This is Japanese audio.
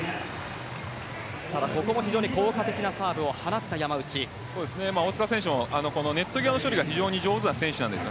ただ、ここも非常に効果的なサーブを放った大塚選手もネット際の処理が上手な選手なんです。